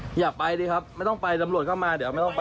อย่าไปดิครับไม่ต้องไปตำรวจเข้ามาเดี๋ยวไม่ต้องไป